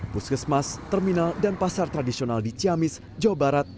puskesmas terminal dan pasar tradisional di ciamis jawa barat